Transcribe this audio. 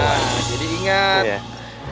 nah jadi ingat